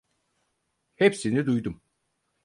Hepsini duydum.